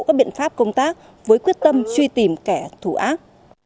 các biện pháp công tác với quyết tâm truy tìm kẻ thù ác